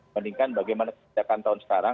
bandingkan bagaimana kebijakan tahun sekarang